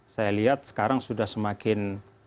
saya lihat sekarang sudah semakin